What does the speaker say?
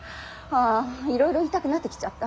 ああいろいろ言いたくなってきちゃった。